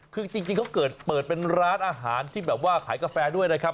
คือจริงเขาเกิดเปิดเป็นร้านอาหารที่แบบว่าขายกาแฟด้วยนะครับ